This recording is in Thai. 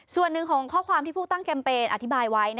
ส่วนหนึ่งของข้อความที่ผู้ตั้งแคมเปญอธิบายไว้